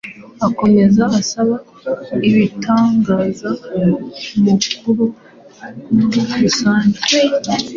Akomeza asaba ibitangazamakuru muri rusange